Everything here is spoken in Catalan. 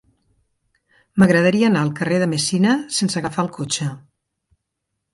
M'agradaria anar al carrer de Messina sense agafar el cotxe.